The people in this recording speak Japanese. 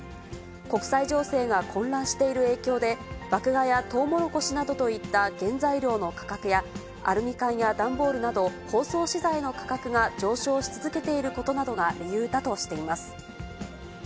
国際情勢が混乱している影響で、麦芽やとうもろこしなどといった原材料の価格や、アルミ缶や段ボールなど、包装資材の価格が上昇し続けていることなどが理由だとしています。